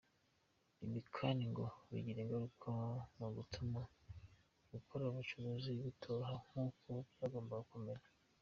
Ibi kandi ngo bigira ingaruka mu gutuma gukora ubucuruzi bitoroha nk’uko byagombaga kumera.